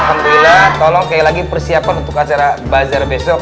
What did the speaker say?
alhamdulillah tolong lagi persiapkan untuk acara bazar besok